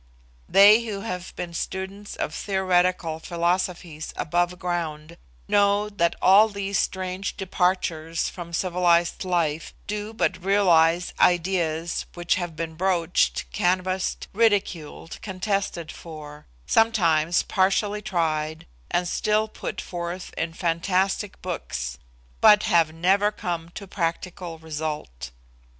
They who have been students of theoretical philosophies above ground, know that all these strange departures from civilised life do but realise ideas which have been broached, canvassed, ridiculed, contested for; sometimes partially tried, and still put forth in fantastic books, but have never come to practical result.